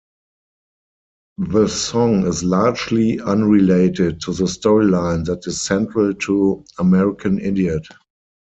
The song is largely unrelated to the storyline that is central to "American Idiot".